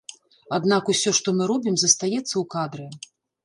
Аднак усё, што мы робім, застаецца ў кадры.